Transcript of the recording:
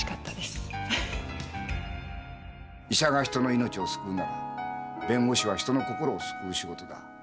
医者が人の命を救うなら弁護士は人の心を救う仕事だ。